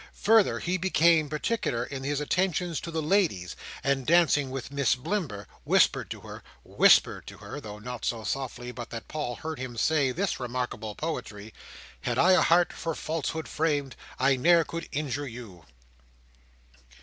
Further, he became particular in his attentions to the ladies; and dancing with Miss Blimber, whispered to her—whispered to her!—though not so softly but that Paul heard him say this remarkable poetry, "Had I a heart for falsehood framed, I ne'er could injure You!"